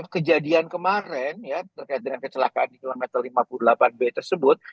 kejadian kemarin ya terkait dengan kecelakaan di kilometer lima puluh delapan b tersebut